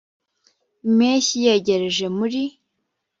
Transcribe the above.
impeshyi yegereje muri